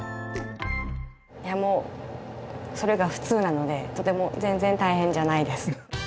いやもうそれが普通なのでとても全然大変じゃないです。